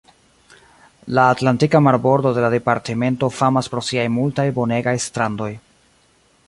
La Atlantika marbordo de la departemento famas pro siaj multaj bonegaj strandoj.